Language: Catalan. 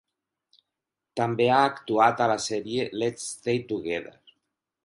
També ha actuat a la sèrie "Let's Stay Together".